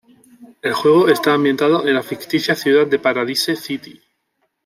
El juego está ambientado en la ficticia ciudad de Paradise City.